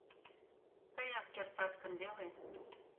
— Тыяк кертат гын веле...